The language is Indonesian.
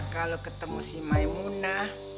kalau ketemu si maimunah